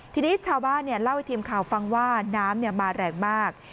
ทีนี้ชาวบ้านเล่าให้ทีมข่าวฟังว่าน้ำมาแรงมาก